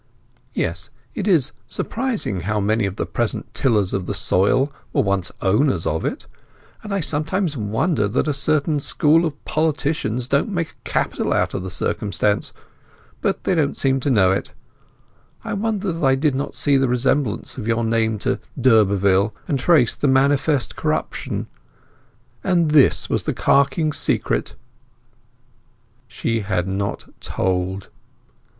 "Yes—it is surprising how many of the present tillers of the soil were once owners of it, and I sometimes wonder that a certain school of politicians don't make capital of the circumstance; but they don't seem to know it... I wonder that I did not see the resemblance of your name to d'Urberville, and trace the manifest corruption. And this was the carking secret!" She had not told.